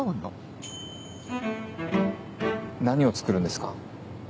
何を作るんですか？